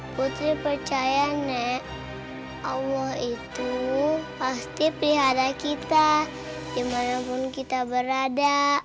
putri percaya nenek allah itu pasti pelihara kita dimanapun kita berada